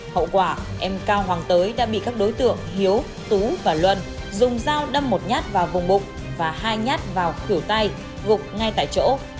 hậu quả em cao hoàng tới đã bị các đối tượng hiếu tú và luân dùng dao đâm một nhát vào vùng bụng và hai nhát vào cửa tay gục ngay tại chỗ